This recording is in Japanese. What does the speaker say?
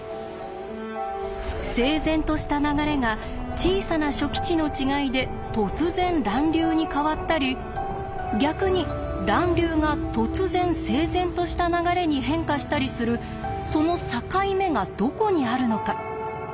整然とした流れが小さな初期値の違いで突然乱流に変わったり逆に乱流が突然整然とした流れに変化したりするその境目がどこにあるのか。